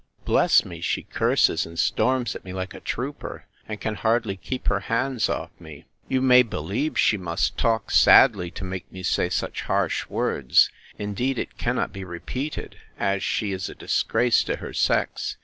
Bless me! she curses and storms at me like a trooper, and can hardly keep her hands off me. You may believe she must talk sadly, to make me say such harsh words: indeed it cannot be repeated; as she is a disgrace to her sex.